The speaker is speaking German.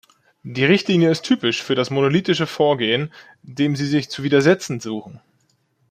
Die Richtlinie ist typisch für das monolithische Vorgehen, dem sie sich zu widersetzen suchen.